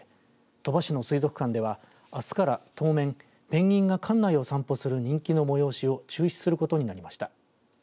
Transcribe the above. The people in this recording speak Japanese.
鳥羽市の水族館ではあすから当面ペンギンが館内を散歩する人気の催しを中止することになりました。